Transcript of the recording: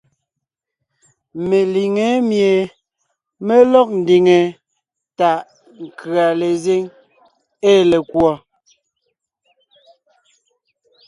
Meliŋé mie mé lɔg ndiŋe taʼ nkʉ̀a lezíŋ ée lekùɔ.